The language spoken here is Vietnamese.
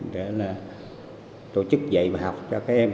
để tổ chức dạy và học cho các em